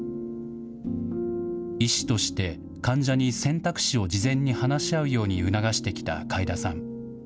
医師として、患者に選択肢を事前に話し合うように促してきた開田さん。